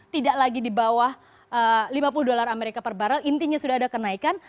tidak lagi di bawah rp lima puluh per baral intinya sudah ada kenaikan